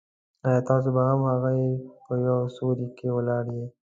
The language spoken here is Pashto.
آیا ته به هم هغه یې په یو سیوري کې ولاړ یې.